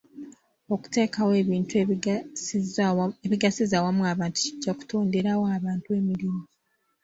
Okuteekawo ebintu ebigasiza awamu abantu kijja kutonderawo abantu emirimu.